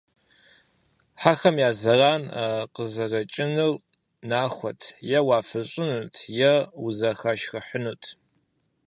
Хьэхэм я зэран къызэрокӀынур нахуэт - е уафыщӏынут, е узэхашхыхьынут.